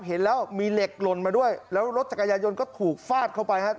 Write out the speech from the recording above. เห็นแล้วมีเหล็กหล่นมาด้วยแล้วรถจักรยายนก็ถูกฟาดเข้าไปครับ